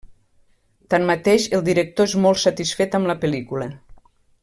Tanmateix el director és molt satisfet amb la pel·lícula.